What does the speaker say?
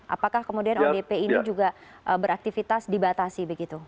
apakah kemudian odp ini juga beraktifitas dibatasi